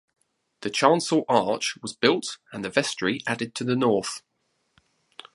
The Chancel Arch was built and the vestry added to the north.